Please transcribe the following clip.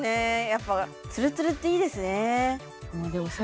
やっぱツルツルっていいですね